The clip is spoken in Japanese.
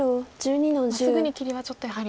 すぐに切りはちょっとやはり。